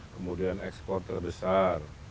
kemudian ekspor terbesar